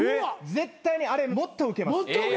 絶対にあれもっとウケます。